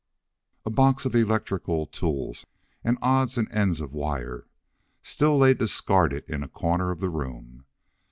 A box of electrical tools and odds and ends of wire still lay discarded in a corner of the room.